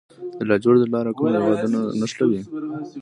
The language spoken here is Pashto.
د لاجوردو لاره کوم هیوادونه نښلوي؟